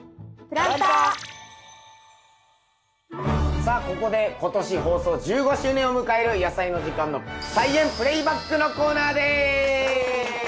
さあここで今年放送１５周年を迎える「やさいの時間」の「菜園プレイバック」のコーナーです！